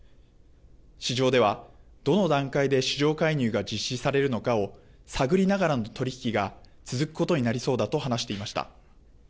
市場ではどの段階で市場介入が実施されるのかを探りながらの取り引きが続くことになりそうだと話していました。